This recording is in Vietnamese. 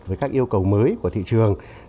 với các yêu cầu mới của thị trường